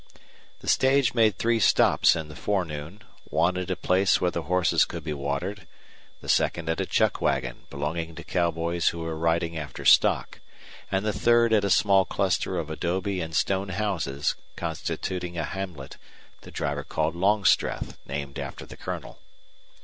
The stage made three stops in the forenoon, one at a place where the horses could be watered, the second at a chuck wagon belonging to cowboys who were riding after stock, and the third at a small cluster of adobe and stone houses constituting a hamlet the driver called Longstreth, named after the Colonel.